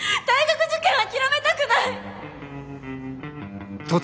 大学受験諦めたくない！